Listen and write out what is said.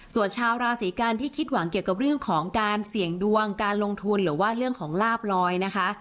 ส่วนชาวราศีกันที่คิดหวังเกี่ยวกับเรื่องของการเสี่ยงดวงการลงทุนหรือว่าเรื่องของลาบลอยนะคะ